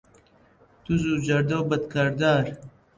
دز و جەردە و بەدکردار